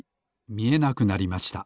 みえなくなりました。